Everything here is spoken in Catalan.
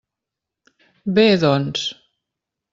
Bé, doncs.